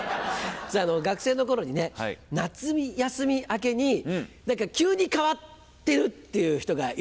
学生の頃にね夏休み明けに何か急に変わってるっていう人がいるじゃないですか。